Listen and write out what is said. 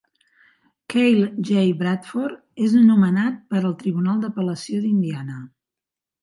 Cale J. Bradford és nomenat per al Tribunal d'Apel·lació d'Indiana.